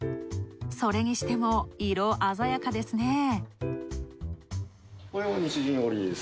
それにしても、色鮮やかですね。